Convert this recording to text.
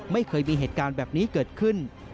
ไม่เคยมีเหตุการณ์แบบนี้เกิดขึ้น